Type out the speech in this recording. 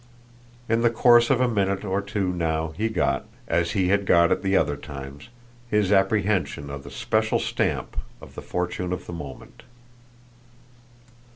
In the course of a minute or two now he got, as he had got it the other times, his apprehension of the special stamp of the fortune of the moment.